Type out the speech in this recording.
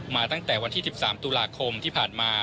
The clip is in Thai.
มาตั้งแต่วันที่๑๓ตุลาคมที่ผ่านมา